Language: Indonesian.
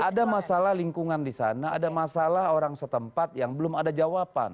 ada masalah lingkungan di sana ada masalah orang setempat yang belum ada jawaban